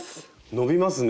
伸びますね。